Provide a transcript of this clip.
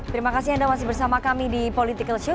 terima kasih anda masih bersama kami di political show